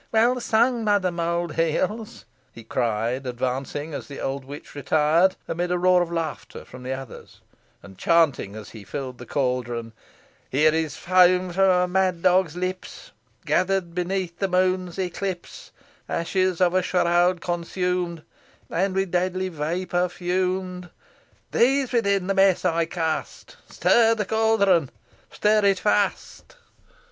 "Well sung, Mother Mould heels," he cried, advancing as the old witch retired, amidst a roar of laughter from the others, and chanting as he filled the caldron: "Here is foam from a mad dog's lips, Gather'd beneath the moon's eclipse, Ashes of a shroud consumed, And with deadly vapour fumed. These within the mess I cast Stir the caldron stir it fast!"